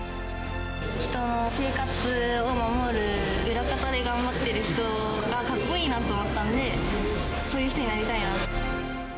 人の生活を守る裏方で頑張っている人がかっこいいなと思ったんで、そういう人になりたいなと。